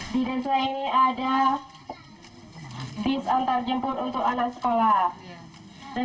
di desa ini ada bis antarjemput untuk anak sekolah